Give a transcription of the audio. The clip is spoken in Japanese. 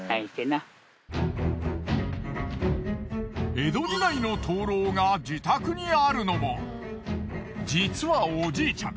江戸時代の灯篭が自宅にあるのも実はおじいちゃん